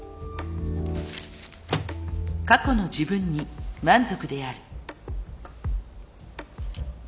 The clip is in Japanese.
過去の自分に満足である。